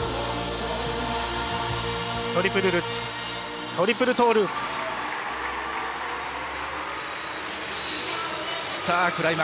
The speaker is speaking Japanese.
トリプルルッツトリプルトーループ。